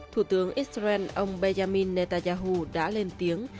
ngày chín tháng năm thủ tướng israel ông benjamin netanyahu đã lên tiếng